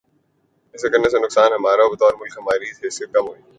ایسا کرنے سے نقصان ہمارا ہوا اور بطور ملک ہماری حیثیت کم ہوئی۔